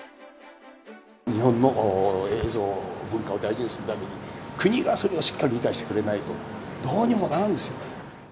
日本の映像文化を大事にするために、国がそれをしっかり理解してくれないと、どうにもならんですよ。